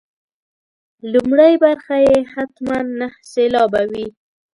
لومړۍ برخه یې حتما نهه سېلابه وي.